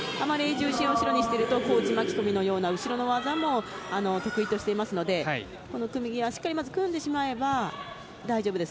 重心を後ろにしていると小内巻き込みのような後ろの技も得意としていますのでこの組み際しっかり組んでしまえば大丈夫です。